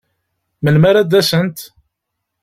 Melmi ara d-asent?